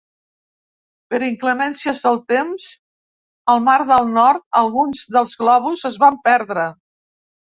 Per inclemències del temps al mar del Nord, alguns dels globus es van perdre.